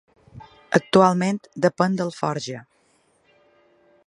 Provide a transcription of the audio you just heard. Actualment depèn d'Alforja.